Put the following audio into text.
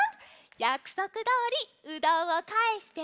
やくそくどおりうどんをかえして！